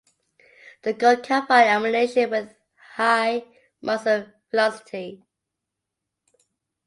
The gun can fire ammunition with high muzzle velocity.